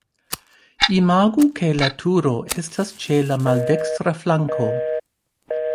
Imagu ke la turo estas ĉe la maldekstra flanko.